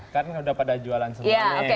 karena sudah pada jualan sebelumnya